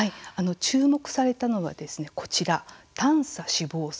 注目されたのは、こちら短鎖脂肪酸。